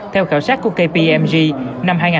theo khảo sát của kpmg năm hai nghìn một mươi bảy